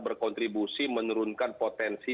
berkontribusi menurunkan potensi